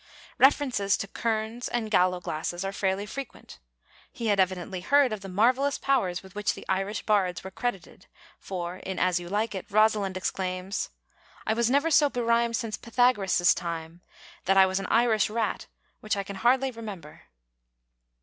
References to kerns and gallowglasses are fairly frequent. He had evidently heard of the marvellous powers with which the Irish bards were credited, for, in As You Like It, Rosalind exclaims: "I was never so be rhymed since Pythagoras' time, that I was an Irish rat, which I can hardly remember."